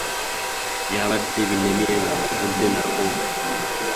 Byabadde binnemye nga mbivudde nako.